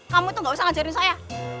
kamu tuh gak usah ngajarin saya